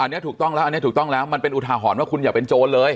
อันนี้ถูกต้องแล้วอันนี้ถูกต้องแล้วมันเป็นอุทาหรณ์ว่าคุณอย่าเป็นโจรเลย